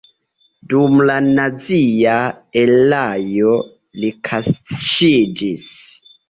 Dum la nazia erao li kaŝiĝis.